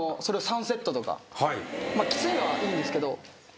きついのはいいんですけど。